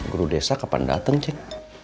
guru desa kapan datang cek